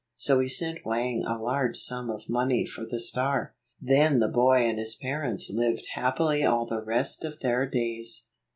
So he sent Wang a large sum of money for the star. Then the boy and his parents lived happily all the rest of their days.